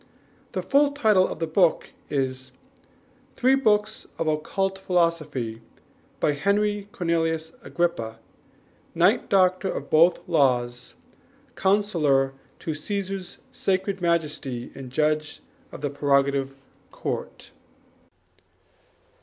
The full title of the book is Three Books of Occult Philosophy, by Henry Cornelius Agrippa, Knight, Doctor of both Laws, Counsellor to Caesar's Sacred Majesty and Judge of the Prerogative Court.